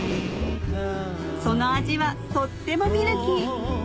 その味はとってもミルキー！